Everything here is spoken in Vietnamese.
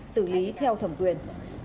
xử lý theo thẩm quyền